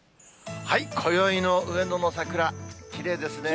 こよいの上野の桜、きれいですね。